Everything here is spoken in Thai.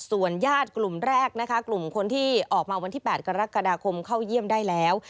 ส่วนญาติกลุ่มแรกนะคะกลุ่มคนที่ออกมาวันที่๘กรกฎาคมเข้าเยี่ยมได้แล้ว